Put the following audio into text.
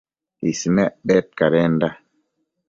Ismec bedcadenda